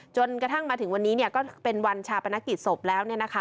จนกระทั่งมาถึงวันนี้ก็เป็นวันชาปนกิจศพแล้ว